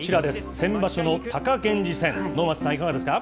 先場所の貴源治戦、能町さん、いかがですか。